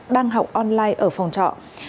đang học online ở phòng trọ